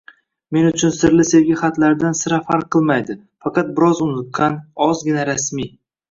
Men uchun sirli sevgi xatlaridan sira farq qilmaydi, faqat biroz uniqqan, ozgina rasmiy…